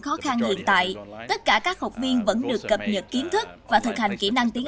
khó khăn hiện tại tất cả các học viên vẫn được cập nhật kiến thức và thực hành kỹ năng tiếng